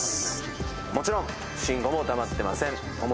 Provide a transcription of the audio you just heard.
もちろん、慎吾も黙ってません。